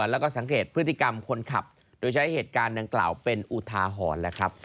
และสังเกตพฤติกรรมคนขับโดยจะให้เหตุการณ์ดังกล่าวเป็นอุทาหอน